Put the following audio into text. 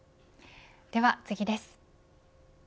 では次です。